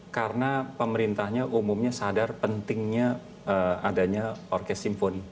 karena pemerintahnya umumnya sadar pentingnya adanya orkest symphony